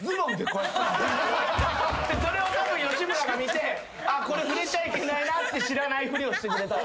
それをたぶん吉村が見てこれ触れちゃいけないなって知らないふりをしてくれた。